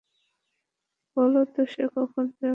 বলো তো সে কখন যাবে।